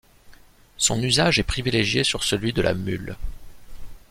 Son usage est privilégié sur celui de la mule.